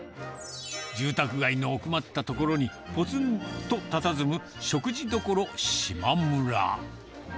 住宅街の奥まった所にぽつんとたたずむ食事処島村。